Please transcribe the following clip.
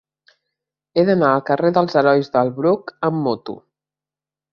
He d'anar al carrer dels Herois del Bruc amb moto.